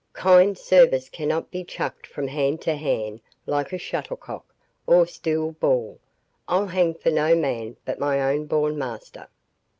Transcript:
Kind service cannot be chucked from hand to hand like a shuttlecock or stool ball. I'll hang for no man but my own born master."